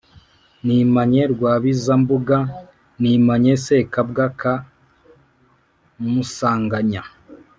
Nimanye Rwabizambuga; nimanye Sekabwa ka Musanganya,